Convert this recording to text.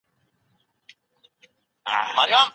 د پرمختګ د لاري د خنډونو په اړه پوهه لومړنی ګام دی.